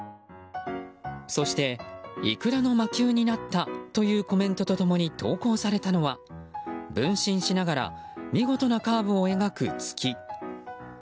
そして、いくらの魔球になったというコメントともに投稿されたのは分身しながら見事なカーブを描く月。